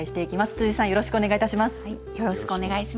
辻さん、よろしくお願いします。